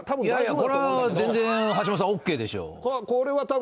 これは全然橋下さん、ＯＫでしょう。